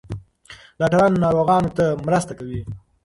ډاکټران ناروغانو ته مرسته کوي.